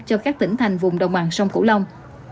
cho các tỉnh thành vùng đồng bằng sông cửu long